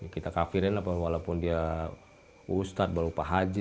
kita kafirin walaupun dia ustadz baru pak haji